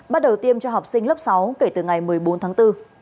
bắt đầu tiêm cho học sinh lớp sáu kể từ ngày một mươi bốn tháng bốn